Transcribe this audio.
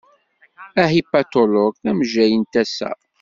Ahipatulog d amejjay n tasa.